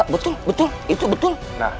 betul betul itu betul